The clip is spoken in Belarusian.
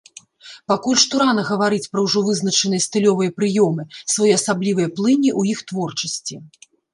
Пакуль што рана гаварыць пра ўжо вызначаныя стылёвыя прыёмы, своеасаблівыя плыні ў іх творчасці.